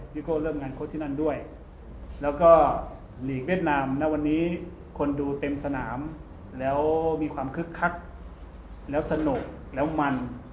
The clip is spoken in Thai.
ช่างสนามวันนี้คนดูเต็มสนามแล้วมีความคึกแล้วสนุกแล้วมัน